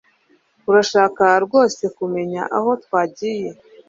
Urashaka rwose kumenya aho twagiye